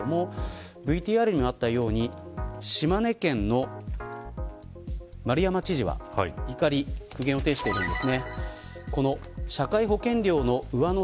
ＶＴＲにもあったように島根県の丸山知事は苦言を呈しています。